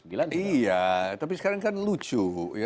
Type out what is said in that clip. iya tapi sekarang kan lucu